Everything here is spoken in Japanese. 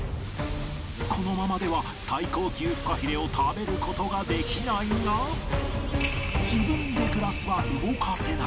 このままでは最高級フカヒレを食べる事ができないが自分でグラスは動かせない